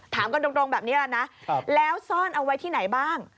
ถามกันตรงแบบนี้แล้วนะแล้วซ่อนเอาไว้ที่ไหนบ้าง